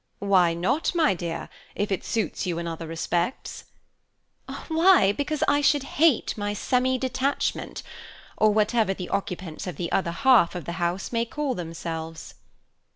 "Why not, my dear, if it suits you in other respects?" "Why, because I should hate my semi detachment, or whatever the occupants of the other half of the house may call themselves."